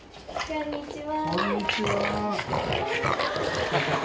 こんにちは。